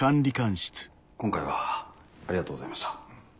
今回はありがとうございました。